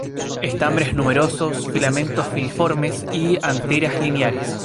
Estambres numerosos; filamentos filiformes y anteras lineares.